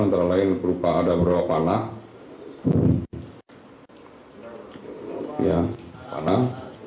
antara lain berupa ada berapa panah